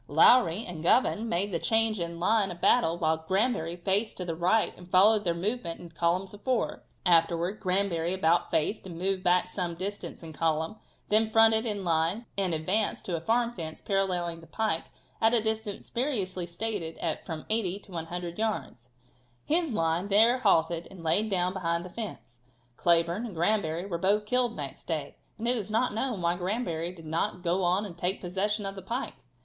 Lowrey and Govan made the change in line of battle while Granbury faced to the right and followed their movement in column of fours. Afterwards Granbury about faced, and moving back some distance in column, then fronted into line and advanced to a farm fence paralleling the pike at a distance variously stated at from 80 to 100 yards. His line there halted and laid down behind the fence. Cleburne and Granbury were both killed next day, and it is not known why Granbury did not go on and take possession of the pike.